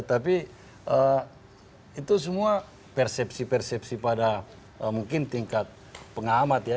tapi itu semua persepsi persepsi pada mungkin tingkat pengamat ya